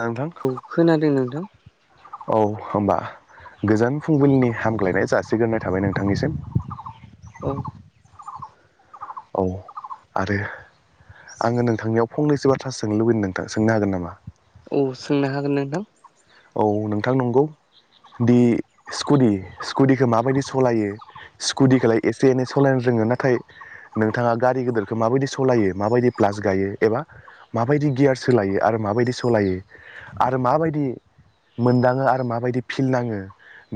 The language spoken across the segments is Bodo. नोंथां खोनादों नोंथां औ होनोमबा गोजान फुंबिलिनि हामग्लायनाय जासिग्रोनाय थाबाय नोंथांनिसिम औ औ आरो आङो नोंथांनियाव फंनैसो बाथ्र्राो सोंनो लुबैदों नोंथां सोंनो हागोन नामा औ सोंनो हागोन न नोंथां औ नोंथां नंगौ दि स्कुदि स्कुटिखौ माबायदि सालायो स्कुटिखौलाय एसे एनै सालायनो रोङो नाथाय नोंथाङा गारि गिदेरखौ माबायदि सालायो माबायदि प्लास गायो एबा माबायदि गियार सोलायो आरो माबायदि सालायो आरो माबायदि मोनदाङो आरो माबायदि फिल नाङो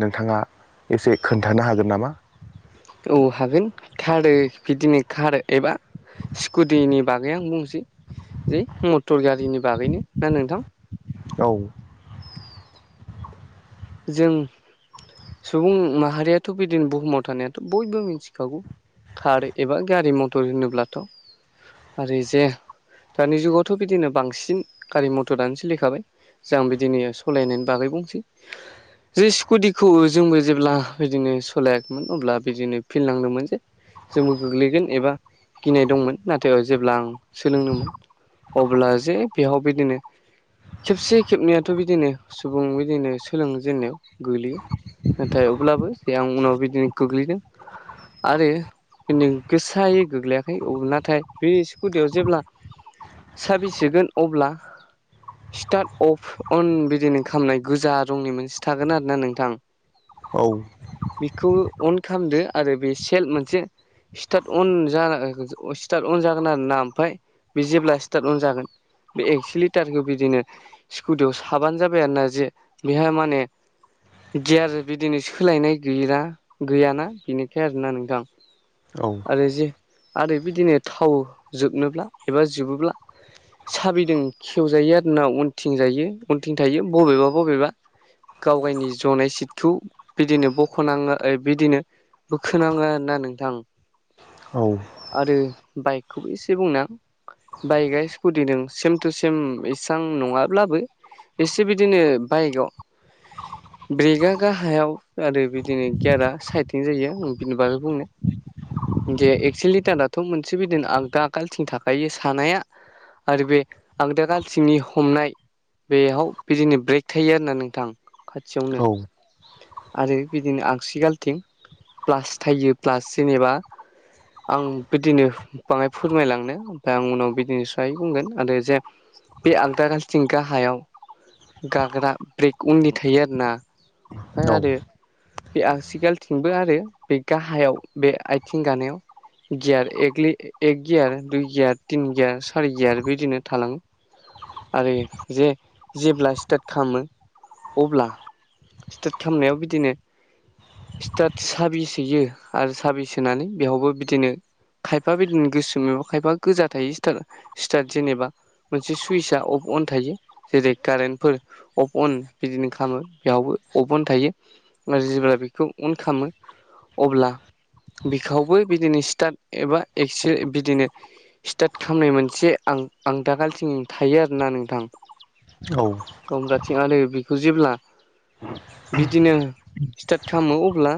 नोंथाङा एसे खोन्थानो हागोन नामा औ हागोन खारो बिदिनो खार एबा स्कुटिनि बागै आं बुंसै जे मटर गारिनि बागैनो ना नोंथां औ जों सुबुं माहारियाथ' बिदिनो बुहुमाव थानायाथ' बयबो मिथिखागौ कार एबा गारि मथर होनोब्लाथ' आरो जे दानि जुगावथ' बिदिनो बांसिन गारि मथरानो सोलिखाबाय ज आ बिदिनो सालायनायनि बागै बुंसै जे स्कुटिखौ जोंबो जेब्ला बिदिनो सालायाखैमोन अब्ला बिदिनो फिल्ड नांदोंमोन जे जोंबो गोग्लैगोन एबा गिनाय दंमोन नाथाय जेब्ला आं सोलोंनोमोन अब्ला जे बेयाव बिदिनो खेबसे खेबनैाथ' बिदिनो सुबुं बिदिनो सोलोंजेनन्नायाव गोग्लैयो नाथाय अब्लाबो जे आं उनाव बिदिनो गोग्लैदों आरो बि गोसायै गोग्लैयाखै नाथाय बे गुदियाव जेब्ला साबि होगोन अब्ला स्टार्ट अफ अन बिदिनो खालामनाय गोजा रंनि मोनसे थागोन आरो ना नोंथां औ बेखौ अन खालामदो आरो बे सेल् मोनसे स्टार्ट अन जान स्टार्ट अन जागोन आरो ना ओमफफ्राय बे जेब्ला स्टार्ट अनजागोन बे एक्स' लिटारखौ बिदिनो स्कुटियाव साबानो जाबाय आरोना जे बेहााय माने दि आरो बिदिनो सोलायनाय गैा गैयाना बेनिखाय आरोना नोंथां औ आरो जे आरो बिदिनो थाव जोबनोब्ला एबा जबोब्ला साबिदों खेवजायो आर नाव उनथिं जायो उनथिं थायो बबेबा बबेबा गाव गावनि जनाय सिटखौ बिदिनो बख'नाङो बिदिनो बोखोनाङोना नोंथां औ आरो बाइकखौबो एसे बुंनो आां बाइकआ स्कुटिदों सेम थटु सेम इसां नङाब्लाबो एसे बिदिनो बाइकआव ब्रेका गाहायाव आरो बिदिनो गियारा साइदथिं जायो बिनि बागखौ बुंनो दे एक्स' लिटाराथ' मोनसे बिदिनो आगग आगालथिं थाखायो सानाया आरो बे आं दागालथिंनि हमनाय बेयाव बिदिनो ब्रेक थायो आर ना नों गोथां खाथियावनो आरो बिदिनो आगसिगालथिं प्लास थाइयो प्लास जेनेबा आं बिदिनो बाङाय फोरमायलांनो ओमफ्राय आं उनाव बिदिनिस्राय बुंगोन आरो जे बे आगदा गालसेथिं गाहायाव गाग्रा ब्रेक उन्दै थायो आरोना ओमफ्राय आरो बे आसिगालथिंबो आरो बे गाहायाव बे आथिं गानायाव गियार एलि एक गियार दुइ गियार तिन गियार सारि गियार बिदिनो थाङो आरो जे जेब्ला स्टार्ट खालामो अब्ला स्टार्ट खालामनायाव बिदिनो सटार साबि सोहोयो आरो साबिस होनानै बेयावबो बिदिनो खायफा बिदिनो गोसो मा खायफा गोजा थायो सटार स्टार्ट जेनेबा मोनसे सुइचआ अफ अन थायो जेरै कारेन्टफोर अफ अन बिदिनो खालामो बेयावबो अभ अन थायो आरो जेब्ला बेखौ अन खालामामो अब्ला बिखौबो बिदिनो स्टार्ट एबा एक्से बिदिनो स्टार्ट खालामनाय मोनसे आं आं दागालथिं थायो आरोना नोंथां औ खमलाथिं आरो जेब्ला बिदिनो स्टार्ट खालामो अब्ला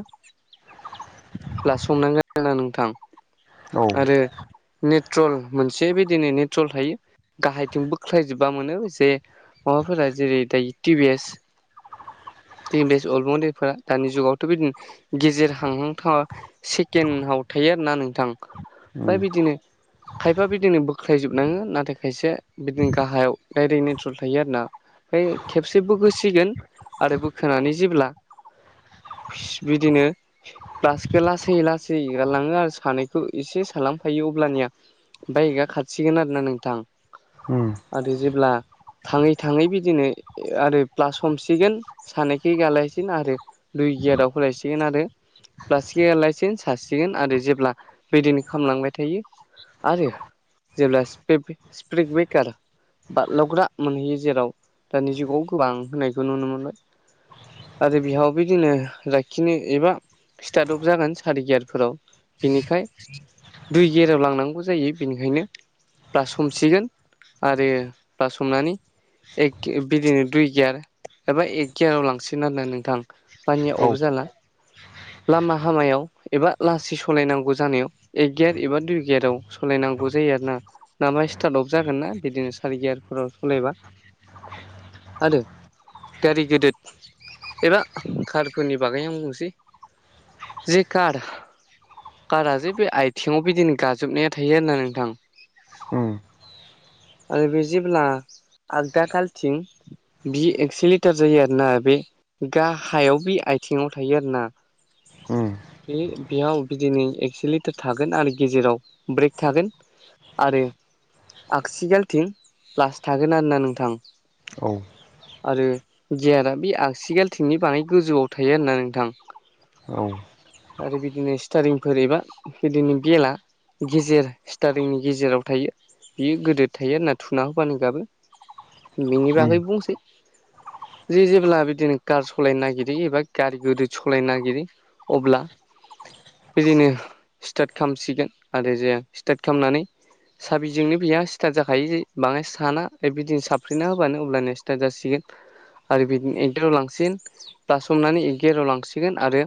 ब्ला संनांगोन आरोना नोंथां औ आरो नेट्रल मोनसे बेदिनो नेट्रल थायो गाहायथिं बो ख्लायजोब्बा मोनो जे माबाफोरा जेरै दायो टिभि एस जोंनि बेस्ट अलबुंन्दैफोरा दानि जुगावथ' बिदिनो गेजेर हांहां थाङा सेकेन्डआव थायो आरोना नोंथां ओमफ्राय बिदिनो खायफा बिदिनो बोख्लायजोबनाङो नाथाय खायसे बिदिनो गाहायाव दडाइरेक्ट नेट्रल थायो आरो ना ओमफ्राय खेबसे बोखोसिगोन आरो बोखोनानै जेब्ला बिदिनो लासैखो लासै लासै एगारलाङो आरो सानै खौ एसे सालफायो अब्लानिया बाइकआ खाारसिगोन आरोना नोंथां ओ आरो जेब्ला थाङै थाङै बिदिनो आरो प्लास हमसिगोन सानायखै गालायसिन आरो दुइ गेटआव होलायसिगोन आरो प्लास गे लाायसिगोन सासिगोन आरो जेब्ला बिदिनो खालामलांबाय थायो आरो जेब्ला स्पेड ब्रेकार बारलावग्रा मोनहैयो जेराव दानि जुगाव गोबां होनायखौ नुनो मोनबाय आरो बिहाव बिदिनो लाखिनो एबा स्टार्ट अक जागोन सारिगियारफोराव बिनिखाय दैुइ गेराव लांनांगौ जायो बेनिखायनो ब्लास हमसिगोन आरो ब्लास हमनानै एक बिदिनो दुइ गियार एबा एक गियाराव लांसिन आरोना नोंथां। पानिया अबे जाला लामा हामायाव एबा लासै सालायनांगौ जानायाव एक गेयार एबा दुइ गियाराव सालायनांगौ जायो आरो ना। ना मा स्टार्ट अफ जागोन ना बिदिनो सारिगियारफोराव सालायबा आरो गारि गेदेद एबा कारफोरनि बागैनो आं बुंनोसै जि कार काराजे बे आथिङाव बिदिनो गाजोबनाया थायो आरोना नोंथां। आरो बे जेब्ला आगदााखालथिं बि एक्से लिटार जायो आरोना बे गाहायाव बि आथिङाव थायो आरो ना ए बिहा बिदिनो एस थागोन आरो गेजेराव ब्रेक थागोन आरो आगसिगाल थिन प्लास थागोन आरोना नोंथां। औ। आरो गियारा बे आगसिगालथिंनि बानाय गोजौआव थायो होनना नोंथां। औ आरो बिदिनो स्टारिंफोर एबा गोदोनि बेला गेजेर स्टटिंनि गेजेराव थायो बियो गोदो थायो आर ना थुना होबानो गाबो बिनि बागैबो बुंसै जे जेब्ला बिदिनो कार सालायनो नागिरो एबा गारि गोदो सालायनो नागिरो अब्ला बिदिनो स्टार्ट खालामसिगोन आरो जाया स्टार्ट खालामनानै साबिजोंनो बेहा स्टार्ट जाखायो बाङाय साना बिदिनो साबफ्रेना होबानो अब्लानोया स्टार्ट जासिगोन। आरो बिदिनो एकदेराव लांसिगन बस हमनानै एकदेराव लांसिगोन आरो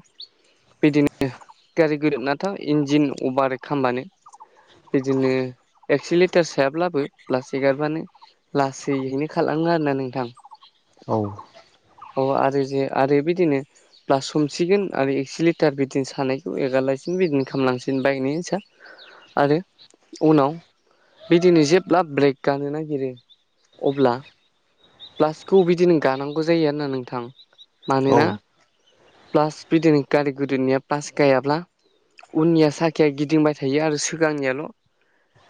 बिदिनो गारि गदिर नथ' इन्जिन अभारे खालामबानो बिदिनो एक्से लिटार सोायाब्लाबो प्लास्टिक गारबानो लासैहनो खालामो आरो ना नोंथां। अ आरो जे आरो बिदिनो प्लास हमसिगोन आरो एक्से लिटार बिदिनो सानायखौ एगारलासिनो बिदिनो खालामलांसिन बायकनिसा आरो उनाव बिदिनो जेब्ला ब्रेक गानो नागिरो अब्ला प्लास्टिकखौ बिदिनो गानांगौ जायो आरोना नोंथां मानोना प्लास बिदिनो गारि गुदैनिया प्लास गायाब्ला उननिया साखिया गिदिंबाय थायो आरो सिगांनियाल'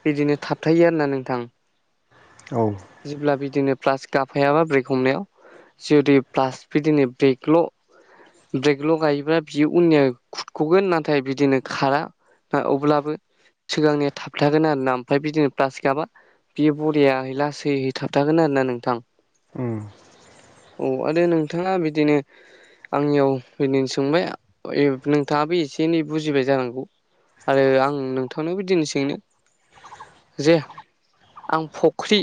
बिदिनो थाबथायो आरोोना नोंथां। औ। जेब्ला बिदिनो प्लास्टिक गाफायाबा ब्रेक हमनायाव जुदि प्लास बिदिै ब्रेकल' ब्रेकल' गायोब्ला बियो उननिया खुरख'गोन नाथाय बिदिनो खारा। अब्लाबो सिगांनिया थाबथागोन आरोना ओमफ्राय बिदिनो प्लास्टिकबा बे बरियै लासैहै थाबथागोन आरोना नोंथां। उम औ आरो नोंथाङा बिदिनो आंनियाव ओदिैनो सोंबाय नोंथाङाबो एसे एनै बुजिबाय जानांगौ आरो आं नोंथांनो बिदिनोै सोंनो जे आं फख्रि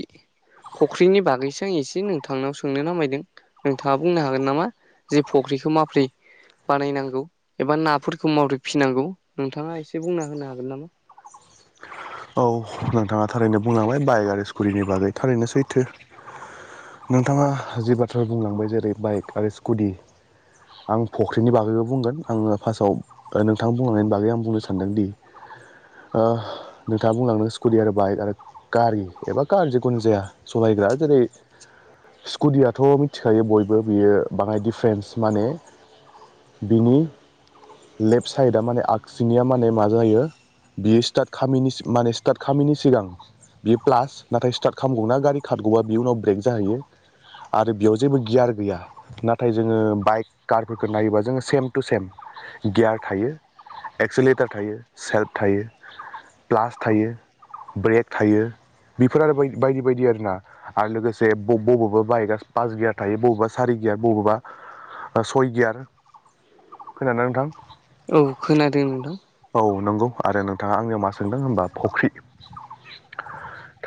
फख्रिनि बागैसो आं एसे नोंथांनाव सोंनो नामायदों। नोंथाङा बुंनो हागोन नामा जे फख्रिखौ माब्रै बानायनांगौ एबा नाफोरखौ मावदै फिनांगौ नोंथाङा एसे बुंना होनो हागोन नामा औ नोंथाङा थारैनो बुंलांबाय बाइक आरो स्कुटिनि बागै थारैनो सैथो नोंथाङा जि बाथ्राफोर बुंलांबाय जेरै बाइक आरो स्कुटि आं फख्रिनि बागैबो बुंगोन आङो फार्स्टआव नोंथां बुंलांनायनि बागै आं बुंनो सानदोंदि नोंथाङा बुंलांनो स्कुटि आरो बाइक आरो गारि एबा कार जिखुनु जाया सालायग्रा जेरै स्कुदियाथ' मिथिखायो बयबो बियो बाङाय दिडिफारेन्स माने बिनि लेफ्ट साइदा माने आगसिनिया माने मा जायो बियो स्टार्ट खामिनि सि माने स्टार्ट खामैनि सिगां बियो प्लास नाथाय स्टार्ट खालामगौना गारि खारगौबा बि उनाव ब्रेक जाहैयो आरो बेयाव जेबो गियार गैया नाथाय जोङो बाइक कारफोरखौ नायोबा जोङो सेम टु सेम गियार थायो एक्सिलेटार थायो सेल्प थायो प्लास थायो ब्रेक थायो बेफोर आरो बायदि बायदि आरोना आरो लोगोसे बबावबा बाइकआ पास गियार थायो बबावबा सारि गियार बबावबा सयगियार खोनादोंना नोंथां औ खोनादों नोंथां औ नंगौ आरो नोंथाङा आंनियाव मा सोंदों होनबा फख्रि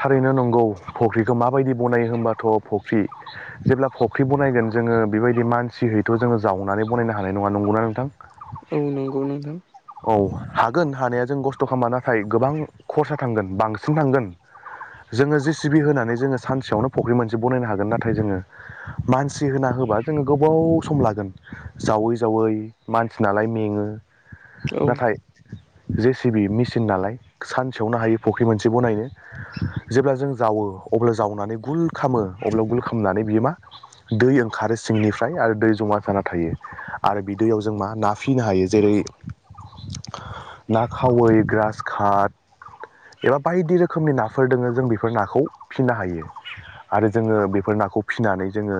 थारैनो नंगौ फख्रिखौ माबायदि बनायो होनोमबाथ' फख्रि जेब्ला फुख्रि बनायगोन जोङो बेबायदि मानसि हैथ' जोङो जावनानै बनायनो हानाय नङा नंगौना नोंथां औ नंगौ नोंथां औ हागोन हानाया जों खस्थ' खालामाना गोबां खरसा थांगोन बांसिन थांगोन जोङो जि सिबि होनानै जोङो सानसेयावनो फुख्रि मोनसे बनायनो हागोन नाथाय जोङो मानसि होना होबा जोङो गोबाव सम लागोन जावै जावै मानसि नालाय मेङो औ नाथाय जे सिबि मि थिन नालाय सानसेयावनो हायो फुख्रि मोनसे बनायनो जेब्ला जों जावो अब्ला जावनानै गुल खालामो अब्ला गुल खालामनानै बियो मा दै ओंखारो सिंनिफ्राय आरो दै जमा जाना थायो आरो बि दैैयाव जों मा ना फिनो हायो जेरै ना खावै ग्रा सकाट एबा बायदि रोखोमनि नाफोर दोङो जों बेफोर नाखौ फिसिनो हायो आरो जोङो बेफोर नाखौ फिसिनानै जोङो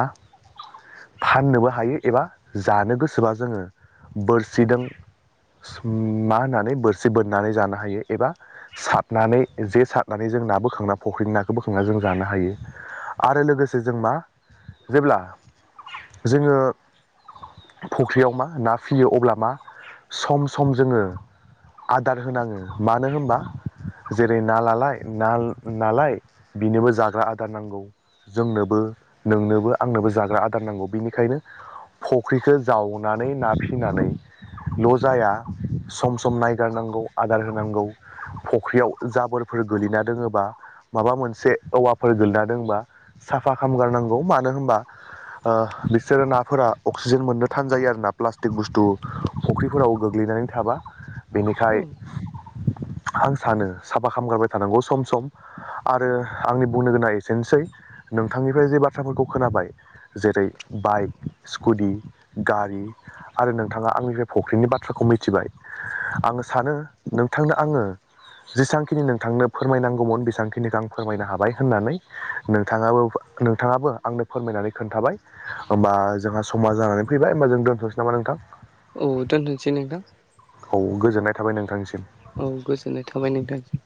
मा फाननोबो हायो एबा जानो गोसोबा जोङो बोरसिदों मा होननानै बोरसि बोननानै जानो हायो एबा सारनानै जे सारनानै जों ना बोखांना फुख्रिनि नाखौ बोखांनानै जों जानो हायो आरो लोगोसे जों मा जेब्ला जोङो फुख्रियाव मा ना फियो अब्ला मा सम सम जोङो आदार होनाङो मानो होनबा जेरै ना लालाय ना नालाय बेनोबो जाग्रा आदार नांगौ जोंनोबो नोंनोबो आंनोबो जाग्रा आदार नांगौ बिनिखायनो फख्रिखौ जावनानै ना फिनानैल' जाया सम सम नाय गारनांगौ आदार होनांगौ फुख्रियाव जाबोरफोर गोलैना दोङोबा माबा मोनसे औवाफोर गोलैनादोंबा साफा खालामगारनांगौ मानो होमबा बिसोरो नाफोरा अक्सिजेन मोननो थानजायो आरो ना प्लास्टिक बुस्थु फख्रिफोराव गोग्लैनानै थाबा बेनिखाय आं सानो साफा खालाम गारबाय थानांगौ सम सम आरो आंनि बुंनो गोनां एसेनोसै नोंथांनिफ्राय जे बाथ्राफोरखौ खोनाबाय जेरै बाइक स्कुटि गारि आरो नोंथाङा आंनिफ्राय फख्रिनि बाथ्राखौ मिथिबाय आङो सानो नोंथांनो आङो जेसांखिनि नोंथांनो फोरमायनांगौमोन बेसेांखिनिखौ आं फोरमायनो हाबाय होननानै नोंथाङाबो नोंथाङाबो आंनो फोरमायनानै खोन्थाबाय होमबा जोंहा समाज जानानै फैबाय होमबा जों दोनथ'सै नामा नोंथां औ दोनथनोसै नोंथां औ गोजोननाय थाबाय नोंथांनिसिम औ गोजोननाय थाबाय नोंथां